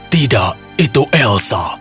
tidak itu elsa